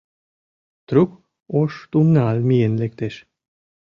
— Трук Ош тумна миен лектеш?